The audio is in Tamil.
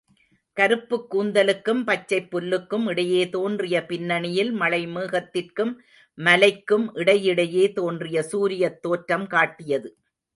கருப்புக் கூந்தலுக்கும், பச்சைப் புல்லுக்கும் இடையே தோன்றிய பின்னணியில் மழைமேகத்திற்கும் மலைக்கும் இடையிடையே தோன்றிய சூரியத் தோற்றம் காட்டியது.